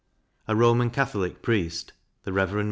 A Roman Catholic priest (the Rev. Mr.